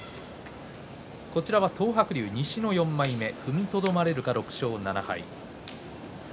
東白龍、西の４枚目踏みとどまれるか６勝７敗。